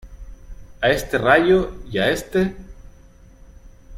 a este Rayo y a este...